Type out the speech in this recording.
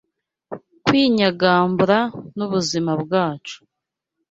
kwinyagambura n’ubuzima bwacu